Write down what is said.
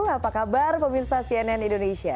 apa kabar pemirsa cnn indonesia